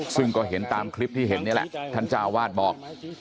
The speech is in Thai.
ซึ่งก็เห็นตามคลิปที่เห็นนี่แหละท่านเจ้าวาดบอก